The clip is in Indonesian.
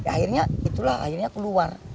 akhirnya itulah keluar